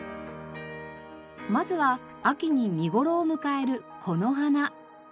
まずは秋に見頃を迎えるこの花。